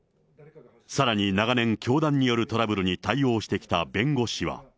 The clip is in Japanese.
さらに長年、教団によるトラブルに対応してきた弁護士は。